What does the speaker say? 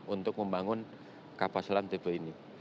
untuk membangun kapal selam tipe ini